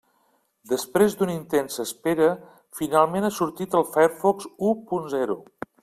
Després d'una intensa espera, finalment ha sortit el Firefox u punt zero.